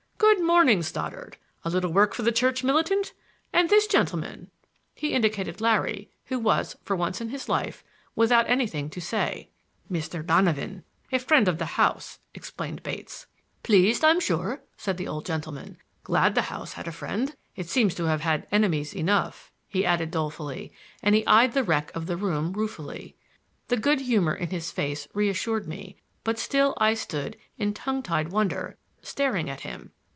Good morning, Stoddard! A little work for the Church militant! And this gentleman?"—he indicated Larry, who was, for once in his life, without anything to say. "Mr. Donovan,—a friend of the house," explained Bates. "Pleased, I'm sure," said the old gentleman. "Glad the house had a friend. It seems to have had enemies enough," he added dolefully; and he eyed the wreck of the room ruefully. The good humor in his face reassured me; but still I stood in tongue tied wonder, staring at him.